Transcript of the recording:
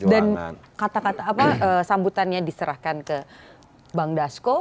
dan kata kata apa sambutannya diserahkan ke bang dasko